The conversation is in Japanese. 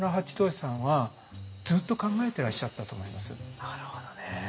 なるほどね。